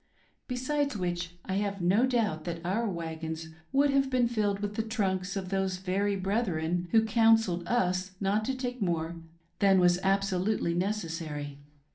Besides which, I have no doubt that our wagons would have been filled with the trunks of those very brethren who counselled us not to take more than was abso 244 HOUSE KEEPING IN A SMALL WAY. lutely necessary.